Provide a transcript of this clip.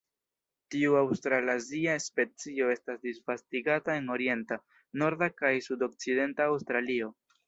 Tiu aŭstralazia specio estas disvastigata en orienta, norda kaj sudokcidenta Aŭstralio.